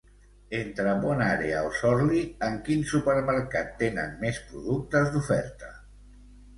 Entre BonÀrea o Sorli, en quin supermercat tenen més productes d'oferta?